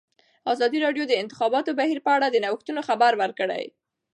ازادي راډیو د د انتخاباتو بهیر په اړه د نوښتونو خبر ورکړی.